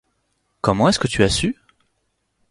Comment est-ce que tu as su ?